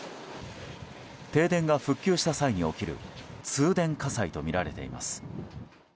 停電が復旧した際に起きる通電火災とみられています。